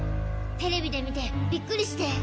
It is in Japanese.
テレビで見てびっくりして。